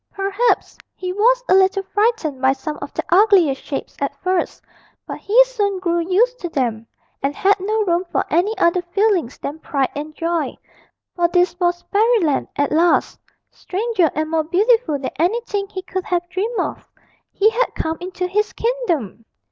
Perhaps he was a little frightened by some of the ugliest shapes at first, but he soon grew used to them, and had no room for any other feelings than pride and joy. For this was Fairyland at last, stranger and more beautiful than anything he could have dreamed of he had come into his kingdom!